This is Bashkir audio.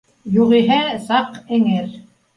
Юғиһә, саҡ эңер